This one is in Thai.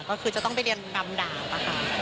ก็คือจะต้องไปเรียนดำดาบอะค่ะ